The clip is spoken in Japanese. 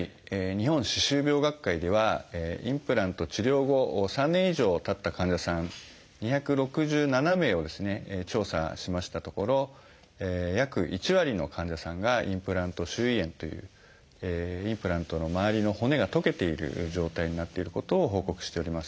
日本歯周病学会ではインプラント治療後３年以上たった患者さん２６７名をですね調査しましたところ約１割の患者さんがインプラント周囲炎というインプラントの周りの骨が溶けている状態になっていることを報告しております。